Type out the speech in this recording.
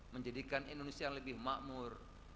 menjadikan indonesia lebih makmur